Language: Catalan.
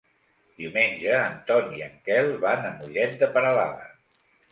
Diumenge en Ton i en Quel van a Mollet de Peralada.